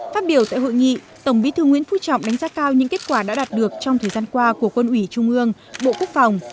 phát biểu tại hội nghị tổng bí thư nguyễn phú trọng đánh giá cao những kết quả đã đạt được trong thời gian qua của quân ủy trung ương bộ quốc phòng